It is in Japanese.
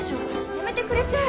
やめてくれちゃあ。